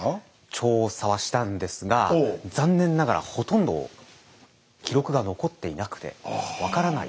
調査はしたんですが残念ながらほとんど記録が残っていなくて分からない。